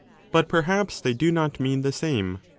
But perhaps they do not mean the same.